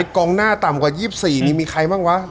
กองหน้าต่ำกว่า๒๔นี่มีใครบ้างวะ